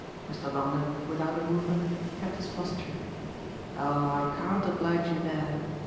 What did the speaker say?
Mr. Longdon, without a movement, kept his posture. "Oh I can't oblige you there.